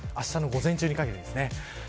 あしたの午前中にかけてですね。